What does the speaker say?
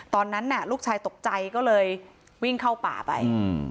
ตอนนั้นน่ะลูกชายตกใจก็เลยวิ่งเข้าป่าไป